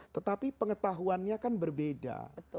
tetapi pengetahuannya kan berbeda